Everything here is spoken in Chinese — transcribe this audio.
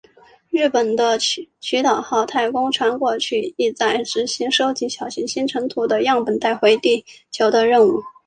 日本的隼鸟号太空船过去亦在执行收集小行星尘土的样本带回地球的任务。